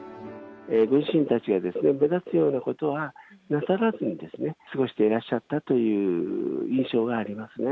ご自身たちが目立つようなことはなさらずに、過ごしていらっしゃったという印象がありますね。